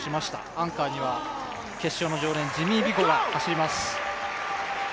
アンカーには決勝の常連、ジミー・ビコが走ります。